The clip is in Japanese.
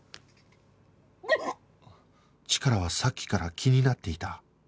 チカラはさっきから気になっていた